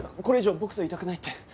これ以上僕といたくないって。